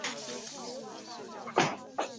橡皮筋一样绑住